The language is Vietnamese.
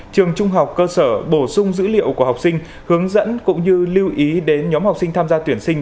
trường trung học cơ sở bổ sung dữ liệu của học sinh hướng dẫn cũng như lưu ý đến nhóm học sinh tham gia tuyển sinh